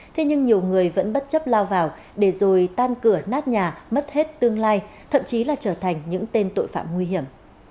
thế nhưng nhiều người vẫn bất chấp lao vào để rồi tan cửa nát nhà mất hết tương lai thậm chí là trở thành những tên tội phạm nguy hiểm